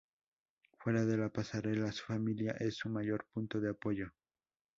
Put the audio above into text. Fuera de la pasarela, su familia es su mayor punto de apoyo.